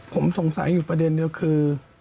ผมสงสัยอยู่ประเด็นเดียวคือ